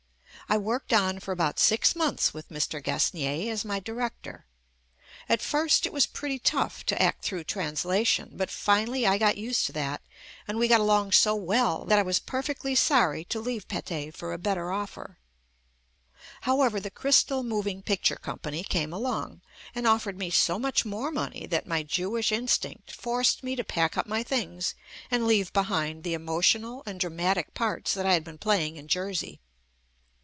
I worked on for about six months with Mr. Gasnier as my director. At first it was pretty tough to act through trans lation, but finally I got used to that and we got along so well that I was perfectly sorry to leave Pathe for a better offer. However, the Crystal Moving Picture Company came along and of fered me so much more money that my Jewish JUST ME instinct forced me to pack up my things and leave behind the emotional and dramatic parts that I had been playing in Jersey.